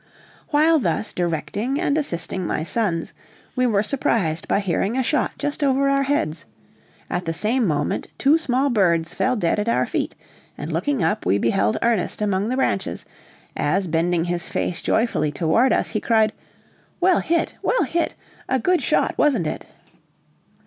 While thus directing and assisting my sons, we were surprised by hearing a shot just over our heads; at the same moment two small birds fell dead at our feet, and looking up, we beheld Ernest among the branches, as bending his face joyfully toward us, he cried, "Well hit! well hit! a good shot, wasn't it?"